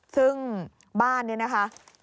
ซึ่งบ้านเนี่ยนะคะ